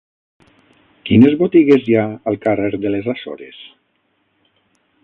Quines botigues hi ha al carrer de les Açores?